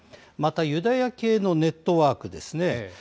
またユダヤ系のネットワークですね。